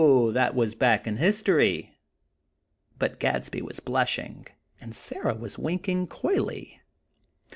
That was back in history!" but Gadsby was blushing, and Sarah was winking, coyly.